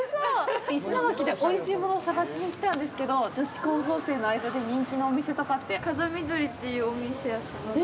石巻で、おいしいものを探しに来たんですけど、女子高校生の間で人気のお店とかって。